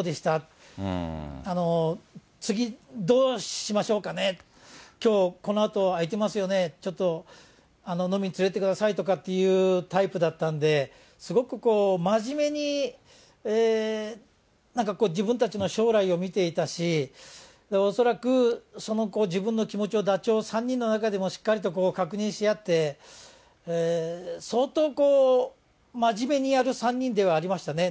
って、次、どうしましょうかね、きょうこのあと、空いてますよね、ちょっと飲みに連れてってくださいっていうタイプだったんで、すごく真面目に、なんかこう、自分たちの将来を見ていたし、恐らくその自分の気持ちを、ダチョウ３人の中でもしっかりと確認し合って、相当こう、真面目にやる３人ではありましたね。